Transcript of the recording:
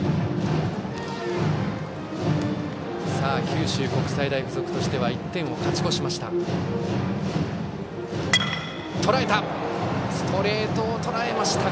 九州国際大付属としては１点を勝ち越しました。